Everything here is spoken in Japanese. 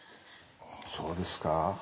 そうですか。